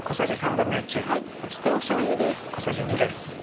そしてしょうゆです。